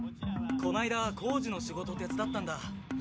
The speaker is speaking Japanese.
こないだ工事の仕事を手伝ったんだ。